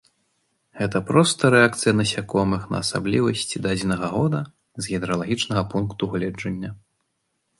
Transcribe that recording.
Гэта проста рэакцыя насякомых на асаблівасці дадзенага года з гідралагічнага пункту гледжання.